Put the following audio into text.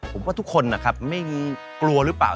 ผมว่าทุกคนนะครับไม่กลัวหรือเปล่า